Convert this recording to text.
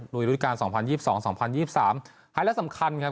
โดยรุ่นการสองพันยี่สิบสองสองพันยี่สิบสามฮายและสำคัญนะครับ